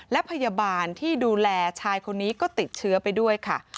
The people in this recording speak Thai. และพยาบาลที่ดูแลชายคนนี้ก็ติดเชื้อไปด้วยค่ะ